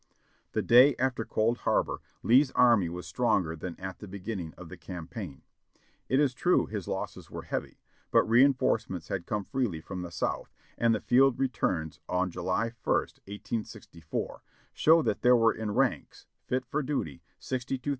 The day after Cold Harbor Lee's army was stronger than at the beginning of the campaign. It is true his losses were heavy, but reinforcements had come freely from the South, and the field returns on July ist, 1864, show that there were in ranks, fit for duty, 62,497 men.